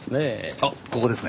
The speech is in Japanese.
あっここですね。